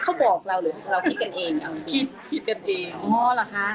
เขาบอกเราหรือเราคิดกันเองคิดคิดกันเองอ๋อเหรอคะ